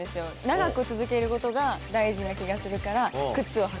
長く続けることが大事な気がするから靴を履く。